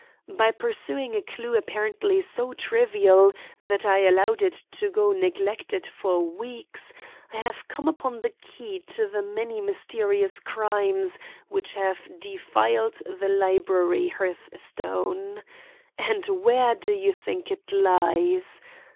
By pursuing a clue apparently so trivial that I allowed it to go neglected for weeks, I have come upon the key to the many mysterious crimes which have defiled the library hearthstone. And where do you think it lies?